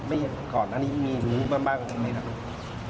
ไม่เห็นก่อนอันนี้มีมือบ้างกันไหมครับ